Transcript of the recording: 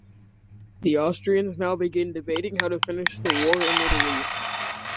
The Austrians now began debating how to finish the war in Italy.